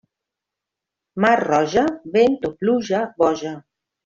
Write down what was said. Mar roja, vent o pluja boja.